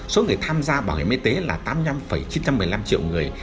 số người tham gia bảo hiểm y tế là tám mươi năm chín trăm một mươi năm triệu người